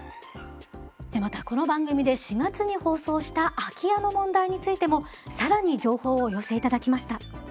またこの番組で４月に放送した空き家の問題についても更に情報をお寄せいただきました。